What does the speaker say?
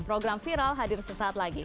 program viral hadir sesaat lagi